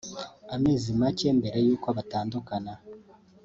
amezi make mbere y’uko batandukana